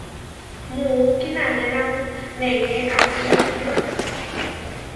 Muú kinanénamu neé amó nakiyó.